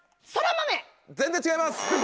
全然違います！